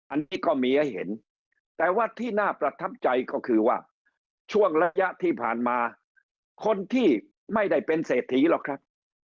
อันนี้ก็มีให้เห็นแต่ว่าที่น่าประทับใจก็คือว่าช่วงระยะที่ผ่านมาคนที่ไม่ได้เป็นเศรษฐีหรอกครับ